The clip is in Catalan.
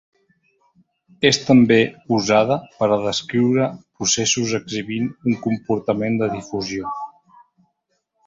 És també usada per a descriure processos exhibint un comportament de difusió.